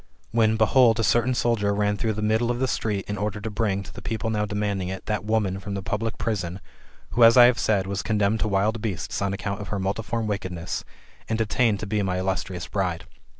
When, behold, a certain soldier ran through the middle of the street, in order to bring, to the people now demanding it, that woman from the public prison, who, as I have said, was condemned to wild beasts, on account of her multiform wickedness, and destined to be my illustrious bride.